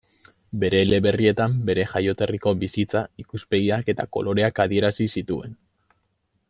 Bere eleberrietan bere jaioterriko bizitza, ikuspegiak eta koloreak adierazi zituen.